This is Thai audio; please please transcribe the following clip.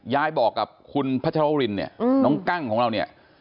ยายบอกกับคุณพัชรวรินเนี่ยน้องกั้งของเราเนี่ย